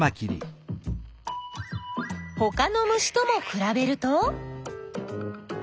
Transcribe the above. ほかの虫ともくらべると？